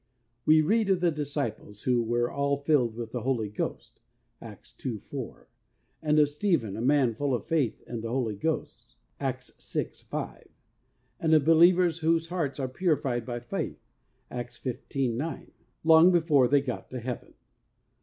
We read of the disciples who ' were all filled with the Holy Ghost' (Acts ii. 4), and of ' Stephen, a man full of faith and of the Holy Ghost ' (Acts vi. 5), and of be lievers whose hearts were purified by faith (Acts XV. 9) long before they got to Heaven.